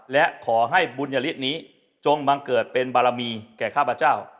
และขอให้บุญยฤทธิ์นี้จงบังเกิดเป็นบารมีแก่ข้าพเจ้า